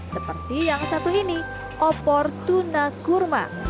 seperti yang satu ini opor tuna kurma